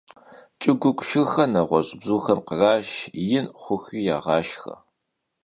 Ç'ıguugu şşırxer neğueş' bzuxem khraşş, yin xhuxui yağaşşxe.